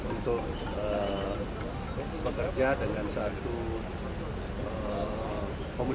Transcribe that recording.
untuk bekerja dengan suatu komunikasi yang baik